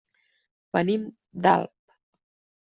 Venim d'Alp.